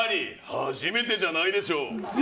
初めてじゃないでしょ？